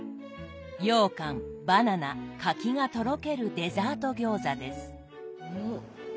ようかんバナナ柿がとろけるデザート餃子です。